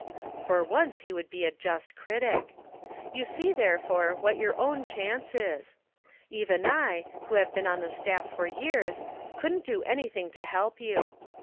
For once he would be a just critic. You see, therefore, what your own chance is. Even I, who have been on the staff for years, couldn't do anything to help you.